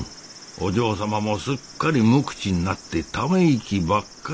お嬢様もすっかり無口になってため息ばっかしやった。